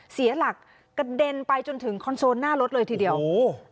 เสียหลักกระเด็นไปจนถึงคอนโซลหน้ารถเลยทีเดียวโอ้โห